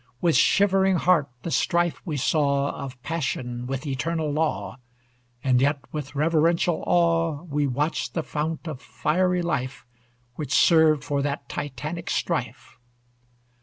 With shivering heart the strife we saw Of passion with eternal law; And yet with reverential awe We watched the fount of fiery life Which served for that Titanic strife.